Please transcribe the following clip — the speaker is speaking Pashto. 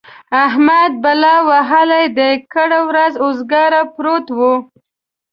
احمد بلا وهلی دی؛ کرۍ ورځ اوزګار پروت وي.